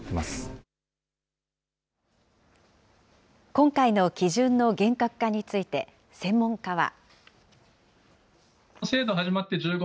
今回の基準の厳格化について、専門家は。